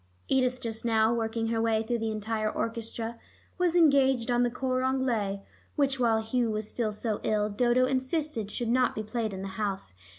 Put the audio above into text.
Edith just now, working her way through the entire orchestra, was engaged on the cor anglais which, while Hugh was still so ill, Dodo insisted should not be played in the house.